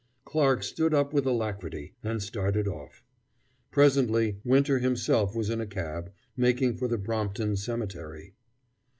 Clarke stood up with alacrity, and started off. Presently Winter himself was in a cab, making for the Brompton Cemetery.